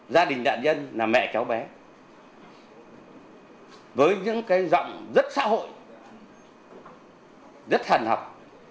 gia đình đạn nhân là mẹ cháu bé với những cái giọng rất xã hội rất thần hợp